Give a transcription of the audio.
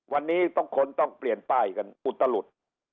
วันนี้คนต้องเปลี่ยนป้ายอุตลุธ